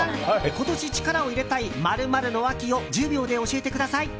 今年力を入れたい○○の秋を１０秒で教えてください。